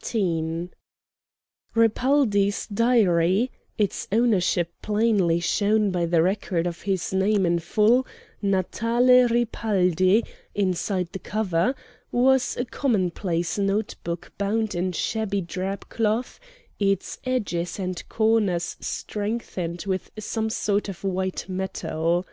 CHAPTER XVIII Ripaldi's diary its ownership plainly shown by the record of his name in full, Natale Ripaldi, inside the cover was a commonplace note book bound in shabby drab cloth, its edges and corners strengthened with some sort of white metal.